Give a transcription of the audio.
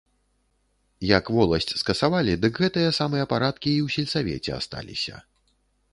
Як воласць скасавалі, дык гэтыя самыя парадкі і ў сельсавеце асталіся.